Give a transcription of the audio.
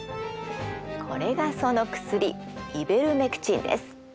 これがその薬イベルメクチンです。